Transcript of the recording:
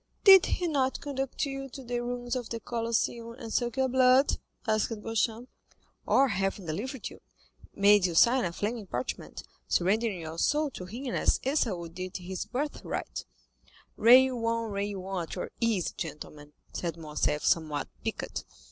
"Did he not conduct you to the ruins of the Colosseum and suck your blood?" asked Beauchamp. "Or, having delivered you, make you sign a flaming parchment, surrendering your soul to him as Esau did his birth right?" "Rail on, rail on at your ease, gentlemen," said Morcerf, somewhat piqued.